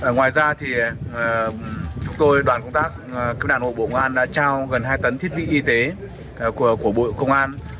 ngoài ra thì chúng tôi đoàn công tác cứu nạn hộ bộ công an đã trao gần hai tấn thiết bị y tế của bộ công an